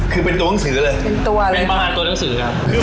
คือเป็นตัวหนังสือเลยหรือเปล่าเป็นตัวหรือเปล่าเป็นตัวหนังสือครับ